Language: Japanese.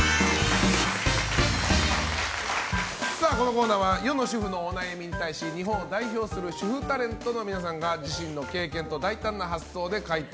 このコーナーは世の主婦のお悩みに対し日本を代表する主婦タレントの皆さんが自身の経験と大胆な発想で回答。